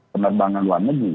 penerbangan luar negeri